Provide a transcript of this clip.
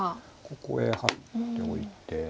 ここへハッておいて。